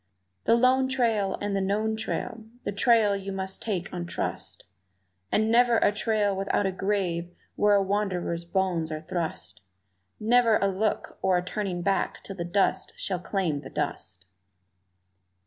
The lone trail and the known trail, the trail you must take on trust, And never a trail without a grave where a wanderer's bones are thrust Never a look or a turning back till the dust shall claim the dust!